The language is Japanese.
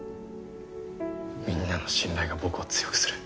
みんなの信頼が僕を強くする。